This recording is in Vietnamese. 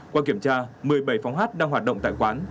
qua kiểm tra một mươi bảy phóng hát đang hoạt động tại quán